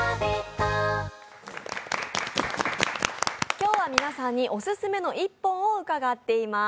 今日は皆さんにオススメの一本を伺っています。